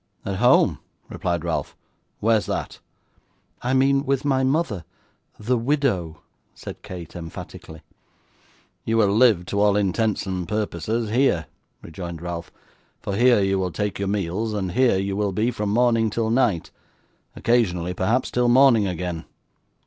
'At home!' replied Ralph; 'where's that?' 'I mean with my mother THE WIDOW,' said Kate emphatically. 'You will live, to all intents and purposes, here,' rejoined Ralph; 'for here you will take your meals, and here you will be from morning till night occasionally perhaps till morning again.